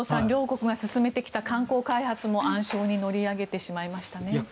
両国が進めてきた観光開発も暗礁に乗り上げてしまいましたね。